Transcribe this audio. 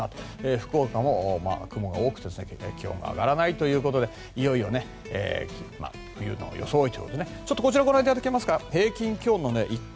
福岡も雲が多く気温が上がらないということでいよいよ冬の装いと。